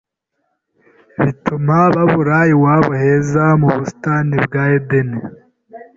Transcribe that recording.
bituma babura iwabo heza mu busitani bwa Edeni.